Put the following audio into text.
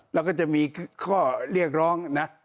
แล้วก็จะมีข้อเรียกร้องนะ